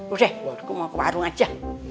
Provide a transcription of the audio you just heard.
udah deh gue mau ke warung aja